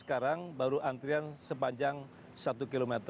sekarang baru antrian sepanjang satu km